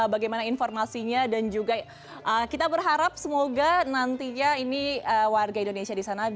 bagaimana informasinya dan juga kita berharap semoga nantinya ini warga indonesia di sana